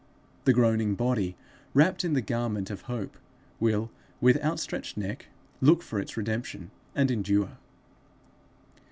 The groaning body, wrapt in the garment of hope, will, with outstretched neck, look for its redemption, and endure.